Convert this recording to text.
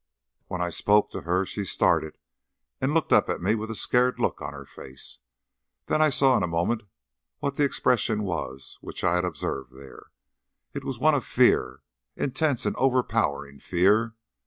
When I spoke to her she started and looked up at me with a scared look on her face. Then I saw in a moment what the expression was which I had observed there. It was one of fear intense and overpowering fear.